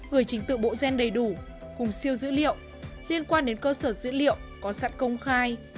gửi trình tự bộ gen đầy đủ cùng siêu dữ liệu liên quan đến cơ sở dữ liệu có sẵn công khai